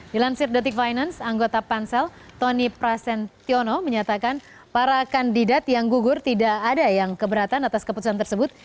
di lansir the tick finance anggota pansel tony prasentyono menyatakan para kandidat yang gugur tidak ada yang keberatan atas keputusan tersebut